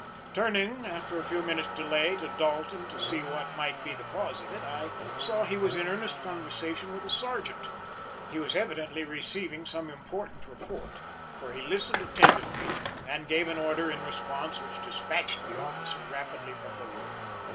Turning, after a few minutes delay, to Dalton to see what might be the cause of it, I saw he was in earnest conversation with a sergeant. He was evidently receiving some important report, for he listened attentively and gave an order in response which despatched the officer rapidly from the room.